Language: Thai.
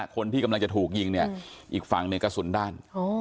คนที่กำลังจะถูกยิงเนี่ยอีกฝั่งเนี่ยกระสุนด้าน